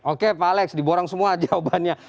oke pak alex diborong semua jawabannya